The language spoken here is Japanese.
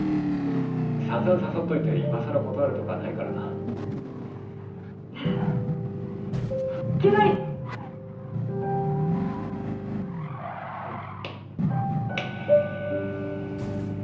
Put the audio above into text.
さんざん誘っといていまさら断るとかないからな決まりっうん